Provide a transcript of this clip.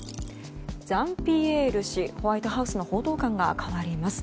ジャンピエール氏ホワイトハウスの報道官が代わります。